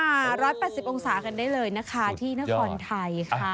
๑๘๐องศากันได้เลยนะคะที่นครไทยค่ะ